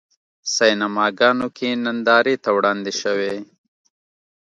سینماګانو کې نندارې ته وړاندې شوی.